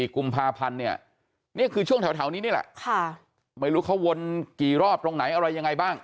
กุมภาพันธ์เนี่ยนี่คือช่วงแถวนี้นี่แหละไม่รู้เขาวนกี่รอบตรงไหนอะไรยังไงบ้าง